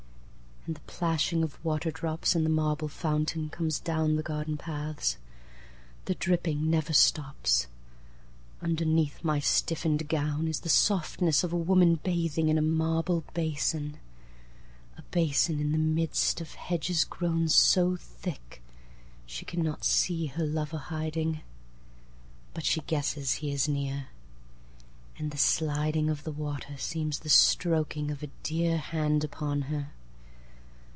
And the plashing of waterdropsIn the marble fountainComes down the garden paths. The dripping never stops. Underneath my stiffened gownIs the softness of a woman bathing in a marble basin,A basin in the midst of hedges grownSo thick, she cannot see her lover hiding, But she guesses he is near, And the sliding of the waterSeems the stroking of a dearHand upon her.